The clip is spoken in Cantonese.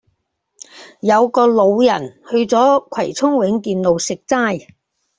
有個老人去左葵涌永建路食齋